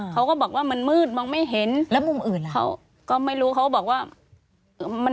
เขาก็บอกว่ามันมืดมองไม่เห็นแล้วมุมอื่นเขาก็ไม่รู้เขาบอกว่ามันมืดมองไม่เห็น